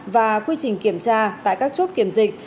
và quy trình kiểm tra tại các chốt kiểm dịch